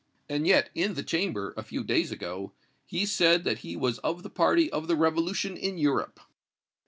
"And yet, in the Chamber, a few days ago, he said that he was of the party of the revolution in Europe."